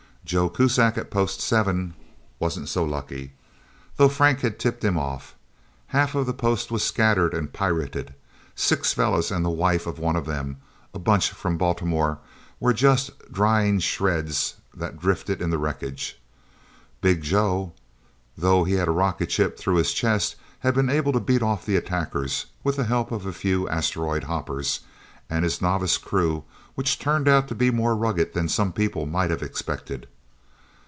Joe Kuzak, at Post Seven, wasn't so lucky, though Frank had tipped him off. Half of the post was scattered and pirated. Six fellas and the wife of one of them a Bunch from Baltimore were just drying shreds that drifted in the wreckage. Big Joe, though he had a rocket chip through his chest, had been able to beat off the attackers, with the help of a few asteroid hoppers and his novice crew which turned out to be more rugged than some people might have expected.